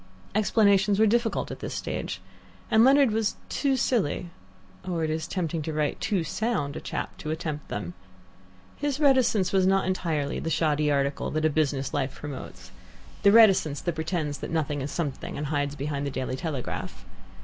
Explanations were difficult at this stage, and Leonard was too silly or it is tempting to write, too sound a chap to attempt them. His reticence was not entirely the shoddy article that a business life promotes, the reticence that pretends that nothing is something, and hides behind the DAILY TELEGRAPH.